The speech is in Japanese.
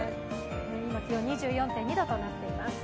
今、気温は２４．２度となっています。